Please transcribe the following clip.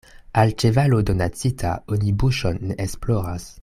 Al ĉevalo donacita oni buŝon ne esploras.